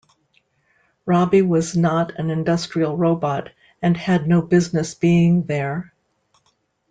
Robbie was not an industrial robot and had no business being there.